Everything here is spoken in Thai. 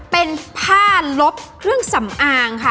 เป็นผ้าลบเครื่องสำอางค่ะ